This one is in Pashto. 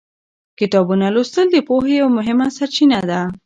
کتابونه لوستل د پوهې یوه مهمه سرچینه ده.